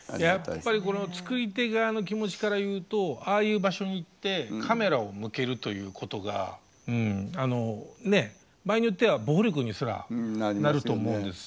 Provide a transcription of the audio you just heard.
やっぱりこの作り手側の気持ちから言うとああいう場所に行ってカメラを向けるということがあのねっ場合によっては暴力にすらなると思うんです。